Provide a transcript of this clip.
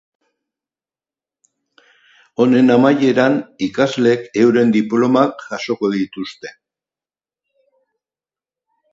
Honen amaieran ikasleek euren diplomak jasoko dituzte.